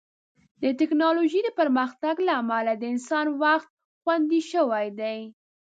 د ټیکنالوژۍ د پرمختګ له امله د انسان وخت خوندي شوی دی.